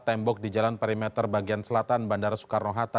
tembok di jalan perimeter bagian selatan bandara soekarno hatta